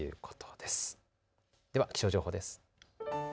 では気象情報です。